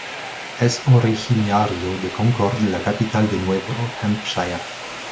Es originario de Concord, la capital de Nuevo Hampshire.